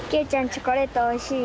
チョコレートおいしい？